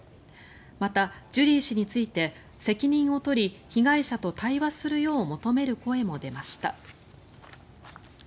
また、ジュリー氏について責任を取り被害者と対話するよう求める声も出ました。